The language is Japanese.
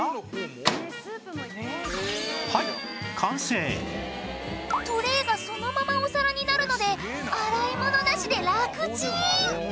はいトレーがそのままお皿になるので洗い物なしでラクチン！